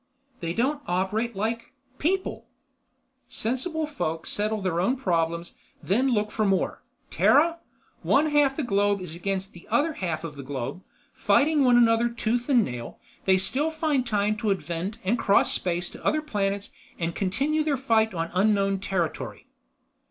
"They don't operate like people. Sensible folk settle their own problems, then look for more. Terra? One half of the globe is against the other half of the globe. Fighting one another tooth and nail, they still find time to invent and cross space to other planets and continue their fight on unknown territory."